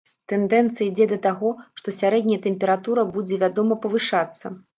Тэндэнцыя ідзе да таго, што сярэдняя тэмпература будзе, вядома, павышацца.